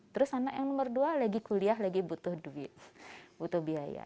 terus anak yang nomor dua lagi kuliah lagi butuh duit butuh biaya